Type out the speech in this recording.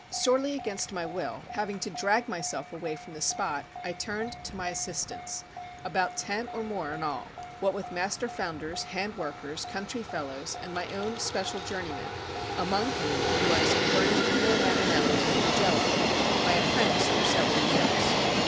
Sorely against my will, having to drag myself away from the spot, I turned to my assistants, about ten or more in all, what with master founders, hand workers, country fellows, and my own special journeymen; among whom was Bernandino Mannellini of Mugello, my apprentice through several years.